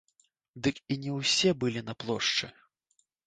Дык і не ўсе былі на плошчы!